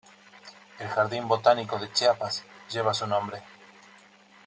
El Jardín Botánico de Chiapas lleva su nombre.